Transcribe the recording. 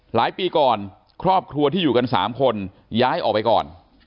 หลายปีก่อนครอบครัวที่อยู่กัน๓คนย้ายออกไปก่อน